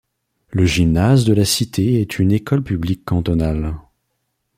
Le Gymnase de la Cité est une école publique cantonale.